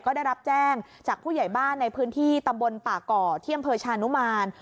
ก็ได้รับแจ้งจากผู้ใหญ่บ้านในพื้นที่ตำบลป่าก่อที่อำเภอชานุมาน